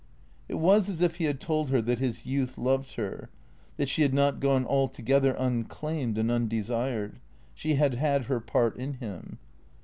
It was as if he had told her that his youth loved her; that she had not gone altogether unclaimed and undesired; she had had her part in him.